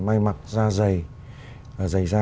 may mặc da dày